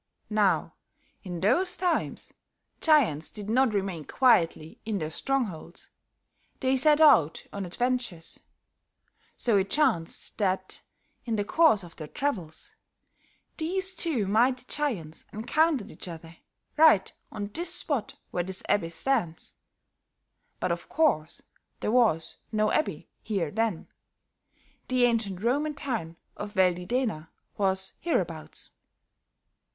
Now, in those times, giants did not remain quietly in their strongholds; they set out on adventures; so it chanced that, in the course of their travels, these two mighty giants encountered each other, right on this spot where this abbey stands. But of course, there was no abbey here then; the ancient Roman town of Veldidena was hereabouts.